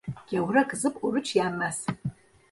Gavura kızıp oruç yenmez.